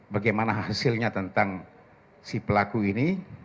bagaimana hasilnya tentang si pelaku ini